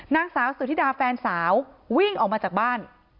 นางสาวสุธิดาแฟนสาววิ่งออกมาจากบ้าน